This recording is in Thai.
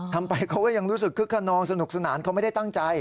ทำไปเขาก็ยังรู้สึกคึกขนองสนุกสนานเขาไม่ได้ตั้งใจ